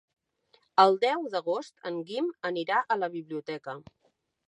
El deu d'agost en Guim anirà a la biblioteca.